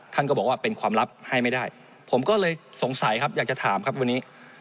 ท่านก็บอกว่าเป็นความลับให้ไม่ได้ผมก็เลยสงสัยครับอยากจะถามครับวันนี้